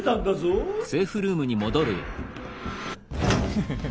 フフフッ。